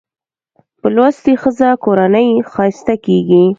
په لوستې ښځه کورنۍ ښايسته کېږي